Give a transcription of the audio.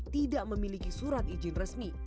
tidak memiliki surat izin resmi